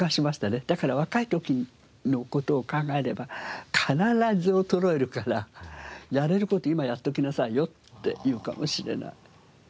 だから若い時の事を考えれば必ず衰えるからやれる事を今やっておきなさいよって言うかもしれない。